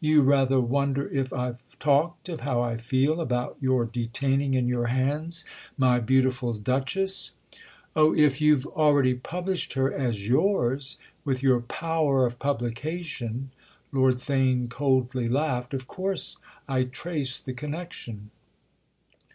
"You rather wonder if I've talked of how I feel about your detaining in your hands my Beautiful Duchess——?" "Oh, if you've already published her as 'yours'—with your power of publication!" Lord Theign coldly laughed,—"of course I trace the connection!"